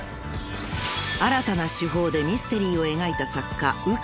［新たな手法でミステリーを描いた作家］